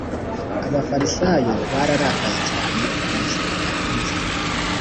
abafarisayo bararakaye cyane bamujugunya hanze